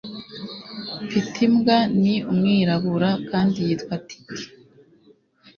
Mfite imbwa. Ni umwirabura kandi yitwa Tiki.